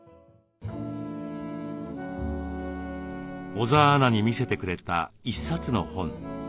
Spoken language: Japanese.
小澤アナに見せてくれた一冊の本。